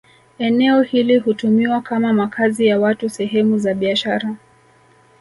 Eneo hili hutumiwa kama makazi ya watu sehemu za biashara